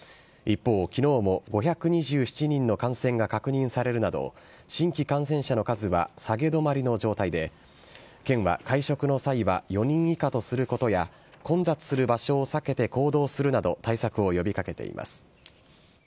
一方、きのうも５２７人の感染が確認されるなど、新規感染者の数は下げ止まりの状態で、県は会食の際は４人以下とすることや、混雑する場所を避けて行動するなど、対策を呼びかけています。